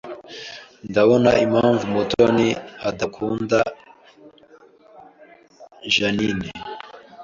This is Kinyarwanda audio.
Ndabona impamvu Mutoni adakunda Jeaninne